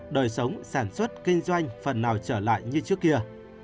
đời sống sản xuất kinh doanh phần nào trở lại như trước kia